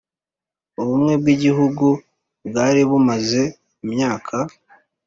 ubumwe bw'igihugu bwari bumaze imyaka